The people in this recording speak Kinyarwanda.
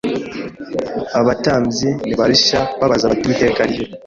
Abatambyi ntibarushya babaza bati Uwiteka ari hehe